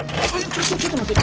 ちょちょっと待って。